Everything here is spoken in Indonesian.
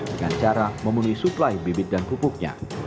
dengan cara memenuhi suplai bibit dan pupuknya